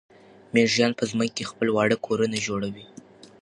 مېږیان په ځمکه کې خپل واړه کورونه جوړوي.